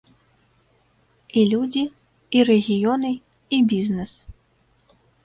І людзі, і рэгіёны, і бізнэс.